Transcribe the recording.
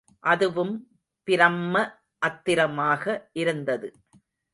அதுவும் பிரம்ம அத்திரமாக இருந்தது.